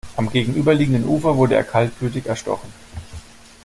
Am gegenüberliegenden Ufer wurde er kaltblütig erstochen.